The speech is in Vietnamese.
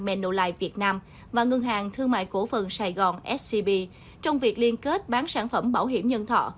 manolife việt nam và ngân hàng thương mại cổ phần sài gòn scb trong việc liên kết bán sản phẩm bảo hiểm nhân thọ